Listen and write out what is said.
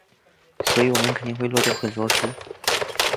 所以我们肯定会漏掉很多书。